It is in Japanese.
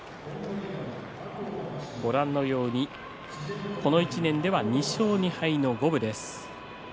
ご覧のように、この１年では２勝２敗の五分です。